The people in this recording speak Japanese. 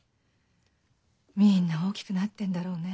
みんな大きくなってんだろうね。